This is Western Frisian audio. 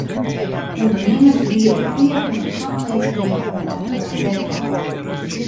Undernimmers biede in pear hûndert hantekeningen oan oan de wethâlder.